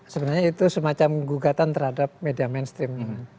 sebenarnya itu semacam gugatan terhadap media mainstream